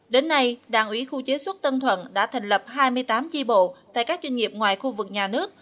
đến nay đảng ủy khu chế xuất tân thuận đã thành lập hai mươi tám chi bộ tại các doanh nghiệp ngoài khu vực nhà nước